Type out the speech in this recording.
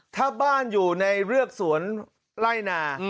ถ้าบ้านอยู่ในเรือกสวนไล่นา